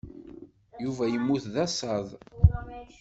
Yuba yemmut d asaḍ.